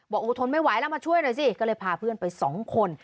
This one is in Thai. บอกโอ้ทนไม่ไหวแล้วมาช่วยหน่อยสิก็เลยพาเพื่อนไปสองคน